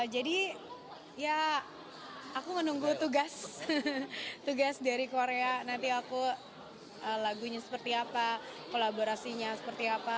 jadi ya aku nunggu tugas dari korea nanti aku lagunya seperti apa kolaborasinya seperti apa